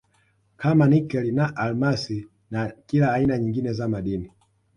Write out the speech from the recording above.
kama Nikel na almasi na kila aina nyingine za madini